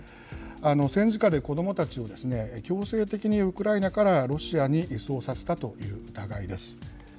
戦時下で子どもたちを、強制的にウクライナからロシアに移送させたという疑いです。